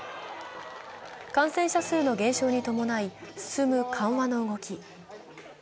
感染者数の減少に伴い進む緩和の動き。